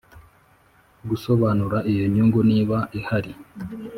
gusobanura iyo nyungu niba ihari